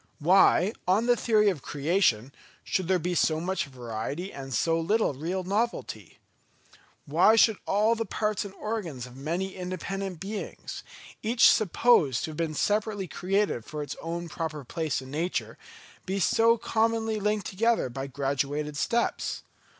Why, on the theory of Creation, should there be so much variety and so little real novelty? Why should all the parts and organs of many independent beings, each supposed to have been separately created for its own proper place in nature, be so commonly linked together by graduated steps?